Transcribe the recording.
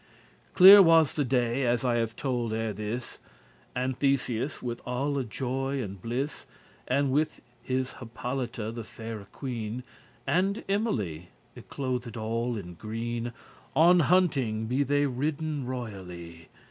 Clear was the day, as I have told ere this, And Theseus, with alle joy and bliss, With his Hippolyta, the faire queen, And Emily, y clothed all in green, On hunting be they ridden royally.